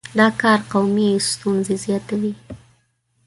دا کار قومي ستونزې زیاتوي.